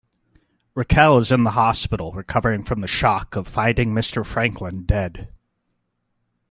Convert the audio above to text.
Raquel is in the hospital recovering from the shock of finding Mr. Franklin dead.